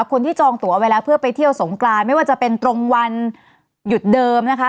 จองตัวไว้แล้วเพื่อไปเที่ยวสงกรานไม่ว่าจะเป็นตรงวันหยุดเดิมนะคะ